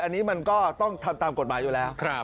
อันนี้มันก็ต้องทำตามกฎหมายอยู่แล้ว